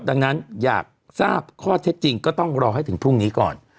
ดังนั้นอยากทราบข้อเท็จจริงก็ต้องรอให้ถึงพรุ่งนี้ก่อน